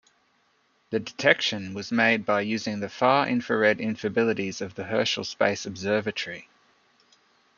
The detection was made by using the far-infrared abilities of the Herschel Space Observatory.